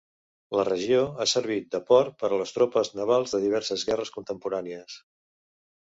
La regió ha servit de port per a les tropes navals de diverses guerres contemporànies.